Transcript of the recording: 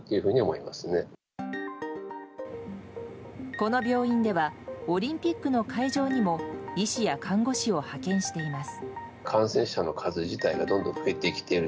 この病院ではオリンピックの会場にも医師や看護師を派遣しています。